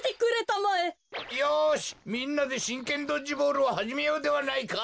よしみんなでしんけんドッジボールをはじめようではないか！